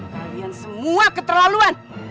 kalian semua keterlaluan